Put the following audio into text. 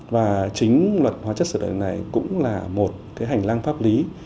và chính luật hóa chất sửa đổi này cũng là một cái hành lang pháp lý